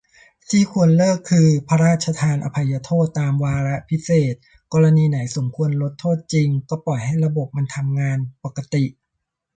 ที่ควรเลิกคือ พระราชทานอภัยโทษตามวาระพิเศษ กรณีไหนสมควรลดโทษจริงก็ปล่อยให้ระบบมันทำงานปกติ